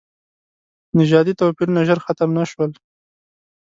نژادي توپیرونه ژر ختم نه شول.